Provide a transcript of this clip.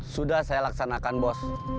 sudah saya laksanakan bos